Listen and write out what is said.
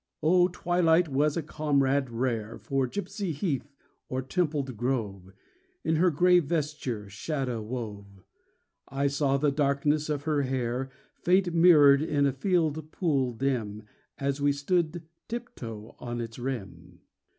Oh, Twilight was a comrade rare For gypsy heath or templed grove. In her gray vesture, shadow wove ; I saw the darkness of her hair Faint mirrored in a field pool dim. As we stood tip toe on its rim.